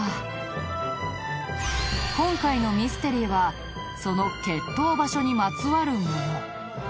今回のミステリーはその決闘場所にまつわるもの。